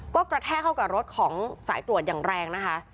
ก็กระแทกเข้ากับรถของสายตรวจอย่างแรงนะคะ